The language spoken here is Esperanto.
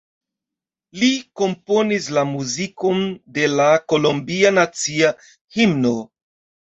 Li komponis la muzikon de la kolombia nacia himno.